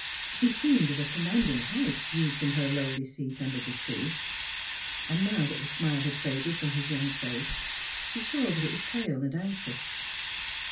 He seemed of a commanding height viewed from her lowly seat under the tree ; and now that the smile had faded from his young face, she saw that it was pale and anxious.